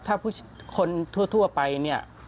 ถ้าผู้คนทั่วไปเนี่ย